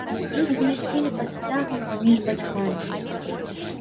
Іх змясцілі пад сцягам паміж бацькамі.